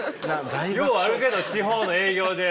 ようあるけど地方の営業で。